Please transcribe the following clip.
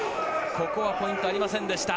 ここはポイントありませんでした。